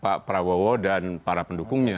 pak prabowo dan para pendukungnya